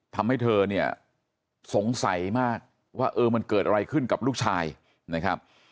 ทำให้เธอเนี่ยสงสัยมากว่าเออมันเกิดอะไรขึ้นกับลูกชายนะครับ